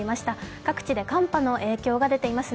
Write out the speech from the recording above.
各地で寒波の影響が出ていますね。